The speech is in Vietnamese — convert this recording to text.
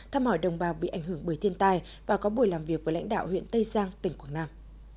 thăm hỏi đồng bào bị ảnh hưởng bởi thiên tài và có buổi làm việc với lãnh đạo huyện tây giang tỉnh quảng nam